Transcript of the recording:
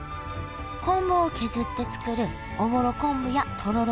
昆布を削って作るおぼろ昆布やとろろ